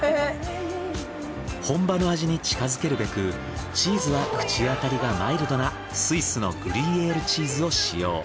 本場の味に近づけるべくチーズは口あたりがマイルドなスイスのグリュイエールチーズを使用。